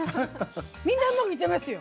みんなうまくいってますよ。